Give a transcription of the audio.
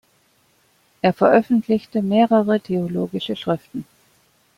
Er veröffentlichte mehrere theologische Schriften.